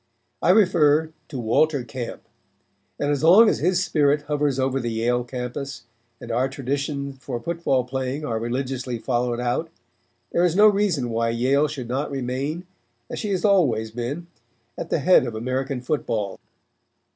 I refer to Walter Camp, and as long as his spirit hovers over the Yale campus and our traditions for football playing are religiously followed out there is no reason why Yale should not remain, as she always has been, at the head of American football."